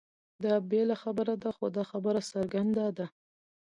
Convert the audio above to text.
دا بېله خبره ده؛ خو دا خبره څرګنده ده،